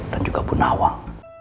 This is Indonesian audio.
dan juga bu nawal